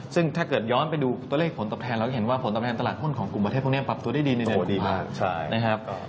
ซึ่งถ้าเกิดย้อนไปดูตัวเลขผลตอบแทนเราจะเห็นว่าผลตอบแทนตลาดหุ้นของกลุ่มประเทศพวกนี้ปรับตัวได้ดีมากนะครับ